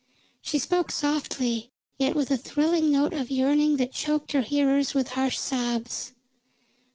She spoke softly, yet with a thrilling note of yearning that choked her hearers with harsh sobs.